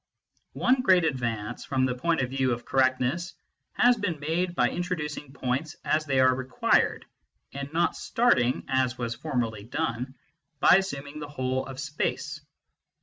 One great advance, from the point of view of correct ness, has been made by introducing points as they are required, and not starting, as was formerly done, by assuming the whole of space.